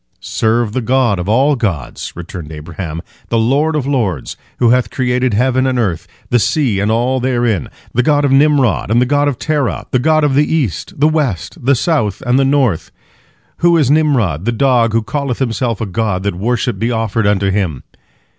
"Serve the God of all gods," returned Abraham, "the Lord of lords, who hath created heaven and earth, the sea and all therein—the God of Nimrod and the God of Terah, the God of the east, the west, the south, and the north. Who is Nimrod, the dog, who calleth himself a god, that worship be offered unto him?"